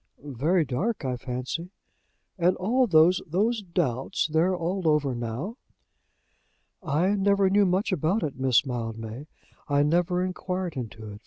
"Very dark, I fancy." "And all those those doubts? They're all over now?" "I never knew much about it, Miss Mildmay. I never inquired into it.